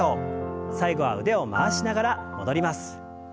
最後は腕を回しながら戻ります。